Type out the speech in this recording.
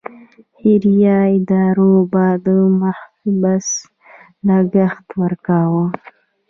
خیریه ادارو به د محبس لګښت ورکاوه.